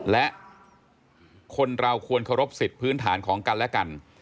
และคนเราควรเคารพสิทธิ์พื้นฐานของกันและกัน